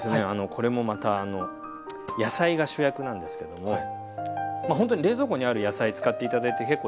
これもまたあの野菜が主役なんですけどもまあほんとに冷蔵庫にある野菜使って頂いて結構です。